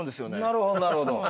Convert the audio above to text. なるほどなるほど。